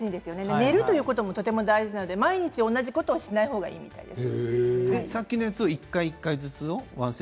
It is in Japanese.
寝るということもとても大事なので毎日同じことしないほうがいいみたいです。